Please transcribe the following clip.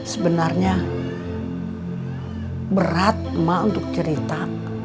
sebenarnya berat emak untuk cerita